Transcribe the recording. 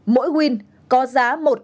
mỗi win có giá một triệu đồng tiền